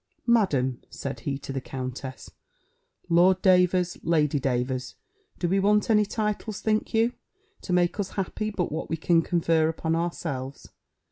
"Madam," said he to the countess, "Lord Davers, Lady Davers, do we want any titles, think you, to make us happy but what we can confer upon ourselves?"